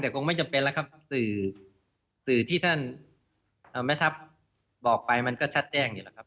แต่คงไม่จำเป็นนะครับสื่อที่ท่านแม่ทัพบอกไปมันก็แบบแช่งอยู่นะครับ